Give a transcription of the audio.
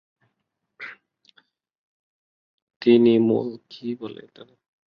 যৌন অধিকারকে মানবাধিকার হিসাবে স্বীকৃতির এই ঘোষণাটি বিশ্বব্যাপী অনেক প্রভাব রেখেছে।